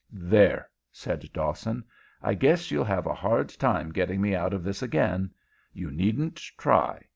"There," said Dawson; "I guess you'll have a hard time getting me out of this again. You needn't try.